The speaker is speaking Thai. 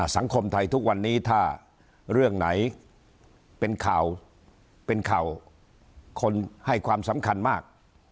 สังคมไทยทุกวันนี้ถ้าเรื่องไหนเป็นข่าวเป็นข่าวคนให้ความสำคัญมาก